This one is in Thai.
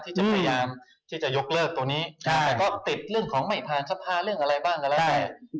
ที่จะพยายามที่จะยกเลิกตัวนี้แต่ก็ติดเรื่องของไม่ผ่านสภาเรื่องอะไรบ้างก็แล้วแต่